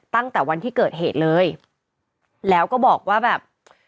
ตั้งแต่วันที่เกิดเหตุเลยแล้วก็บอกว่าแบบ